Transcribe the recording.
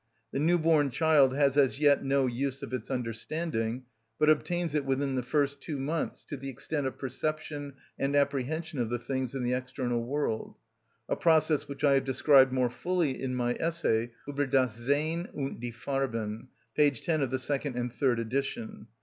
The new born child has as yet no use of its understanding, but obtains it within the first two months to the extent of perception and apprehension of the things in the external world—a process which I have described more fully in my essay, "Ueber das Sehn und die Farben," p. 10 of the second (and third) edition.